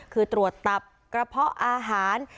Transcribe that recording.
คือตรวจตับกระเพาะอาหาร